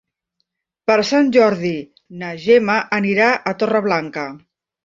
Per Sant Jordi na Gemma anirà a Torreblanca.